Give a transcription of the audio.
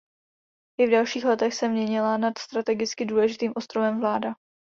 I v dalších letech se měnila nad strategicky důležitým ostrovem vláda.